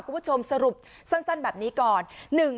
คุณผู้ชมสรุปสั้นแบบนี้ก่อน